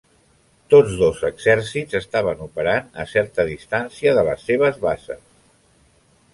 Tots dos exèrcits estaven operant a certa distància de les seves bases.